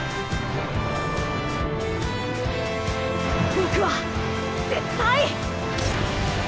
僕は絶対！